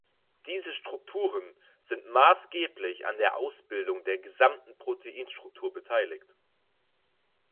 Diese Strukturen sind maßgeblich an der Ausbildung der gesamten Proteinstruktur beteiligt.